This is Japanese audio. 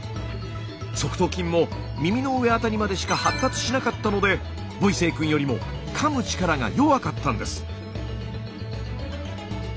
側頭筋も耳の上あたりまでしか発達しなかったのでボイセイくんよりもかむ力が弱かったんです。